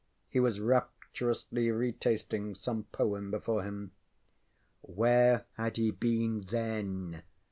He was rapturously retasting some poem before him. ŌĆ£Where had he been, then?